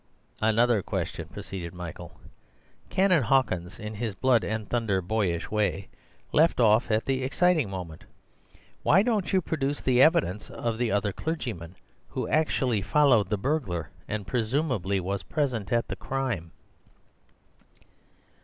"Another question," proceeded Michael. "Canon Hawkins, in his blood and thunder boyish way, left off at the exciting moment. Why don't you produce the evidence of the other clergyman, who actually followed the burglar and presumably was present at the crime?"